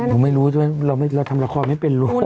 น้องไม่รู้ด้วยเราทำละครไม่เป็นรู้